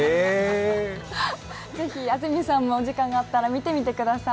ぜひ安住さんもお時間があったら見てみてください。